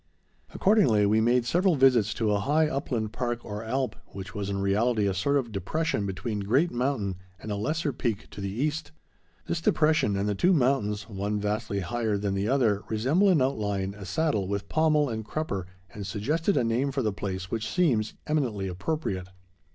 Accordingly, we made several visits to a high upland park or alp, which was in reality a sort of depression between Great Mountain and a lesser peak to the east. This depression and the two mountains, one vastly higher than the other, resemble in outline, a saddle with pommel and crupper and suggested a name for the place which seems eminently appropriate.